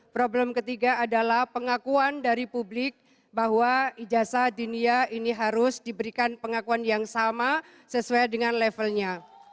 problem ketiga adalah pengakuan dari publik bahwa ijazah dinia ini harus diberikan pengakuan yang sama sesuai dengan levelnya